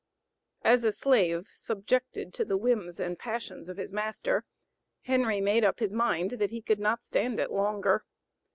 As a slave, subjected to the whims and passions of his master, Henry made up his mind that he could not stand it longer.